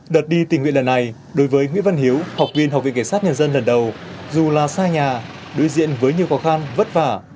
đợt đi tình nguyện lần này đối với nguyễn văn hiếu học viên học viện kể sát nhân dân lần đầu dù là xa nhà đối diện với nhiều khó khăn vất vả